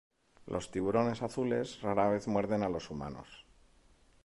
Los tiburones azules rara vez muerden a los humanos.